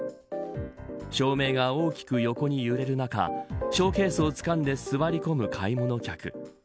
照明が大きく横に揺れる中ショーケースを掴んで座り込む買い物客。